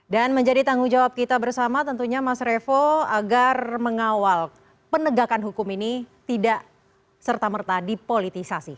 menjadi tanggung jawab kita bersama tentunya mas revo agar mengawal penegakan hukum ini tidak serta merta dipolitisasi